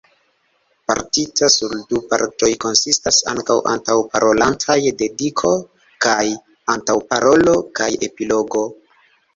Partita sur du partoj konsistas ankaŭ antaŭparolantaj dediko kaj antaŭparolo, kaj epilogo.